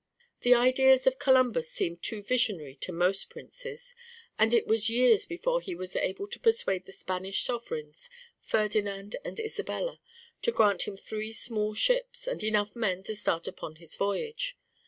The ideas of Columbus seemed too visionary to most princes, and it was years before he was able to persuade the Spanish sovereigns, Ferdinand and Isabella, to grant him three small ships and enough men to start upon his voyage.